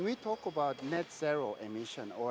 ketika kita berbicara tentang emisi net zero